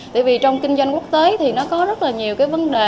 tại vì trong kinh doanh quốc tế thì nó có rất nhiều vấn đề